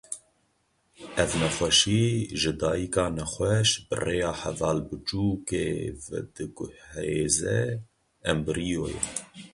Ev nexweşî ji dayika nexweş bi rêya hevalbiçûkê vediguhêze embriyoyê.